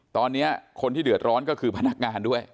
ตอนนี้คนที่เดือดร้อนก็คือพนักงานด้วย